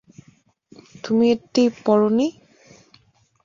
তুমি এটি পরো নি?